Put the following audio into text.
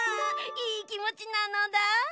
いいきもちなのだ！